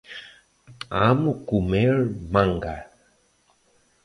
Amo comer manga.